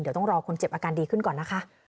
เดี๋ยวต้องรอคนเจ็บอาการดีขึ้นก่อนนะคะ